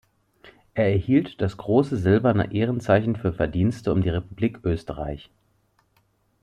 Er erhielt das Große Silberne Ehrenzeichen für Verdienste um die Republik Österreich.